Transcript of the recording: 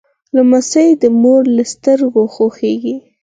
لمسی د مور له سترګو خوښیږي.